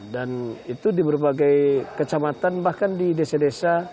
itu di berbagai kecamatan bahkan di desa desa